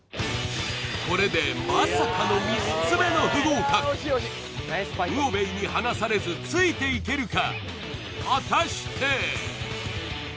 これでまさかの３つ目の不合格魚べいに離されずついていけるか？